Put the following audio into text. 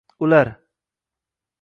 Ular: